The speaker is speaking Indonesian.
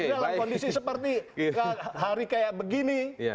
ini dalam kondisi seperti hari kayak begini